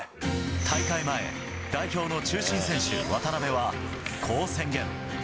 大会前、代表の中心選手、渡邊は、こう宣言。